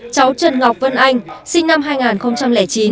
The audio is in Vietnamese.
cháu trần ngọc vân anh sinh năm hai nghìn chín